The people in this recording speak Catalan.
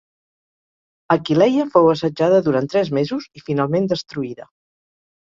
Aquileia fou assetjada durant tres mesos i finalment destruïda.